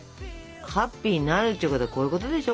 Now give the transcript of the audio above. ハッピーになるっちゅうことはこういうことでしょ？